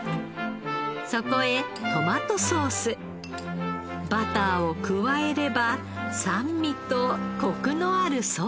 そこへトマトソースバターを加えれば酸味とコクのあるソースに。